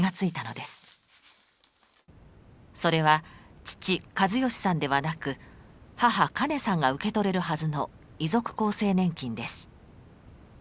それは父・計義さんではなく母・カネさんが受け取れるはずの遺族厚生年金です。